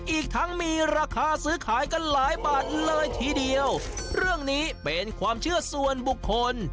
อีกทั้งมีราคาซื้อขายกันหลายบาทเลยทีเดียวเรื่องนี้เป็นความเชื่อส่วนบุคคล